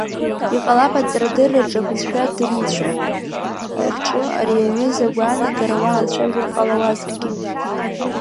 Иҟалап аҵарадырраҿы абызшәа дырҩцәа рҿы ари аҩыза агәаанагара уалацәажәар ҟалауазаргьы.